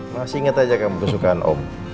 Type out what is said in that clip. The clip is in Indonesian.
masih inget aja kamu kesukaan om